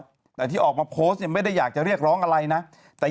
แต่ที่ออกมาโพสต์เนี่ยไม่ได้อยากจะเรียกร้องอะไรนะแต่